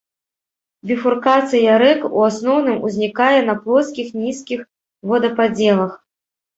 Біфуркацыя рэк у асноўным узнікае на плоскіх нізкіх водападзелах.